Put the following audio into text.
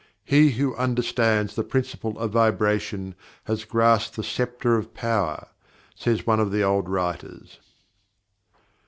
"He who understands the Principle of Vibration, has grasped the scepter of power," says one of the old writers.